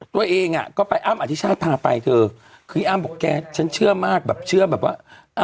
ตัวเองอ่ะก็ไปอ้ำอธิชาติพาไปเธอคืออ้ำบอกแกฉันเชื่อมากแบบเชื่อแบบว่า